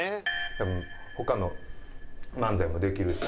多分他の漫才もできるし。